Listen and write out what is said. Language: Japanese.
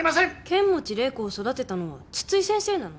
剣持麗子を育てたのは津々井先生なの？